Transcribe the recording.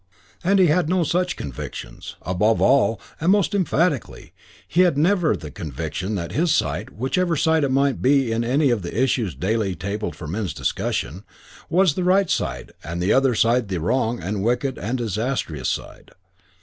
And he had no such convictions. Above all, and most emphatically, he had never the conviction that his side, whichever side it might be in any of the issues daily tabled for men's discussion, was the right side and the other side the wrong and wicked and disastrous side.